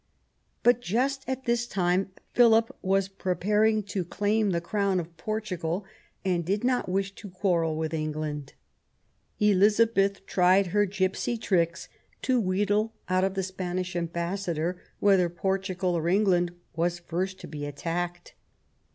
But, just at this time, Philip was preparing to claim the crown of Portugal and did not wish to quan^el with England. Elizabeth tried her "gipsy tricks" to wheedle out of the Spanish ambassador whether Portugal or England was first to be attacked.